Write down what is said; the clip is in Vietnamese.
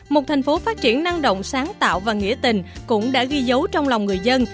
một thành phố phát triển năng động sáng tạo và nghĩa tình cũng đã ghi dấu trong lòng người dân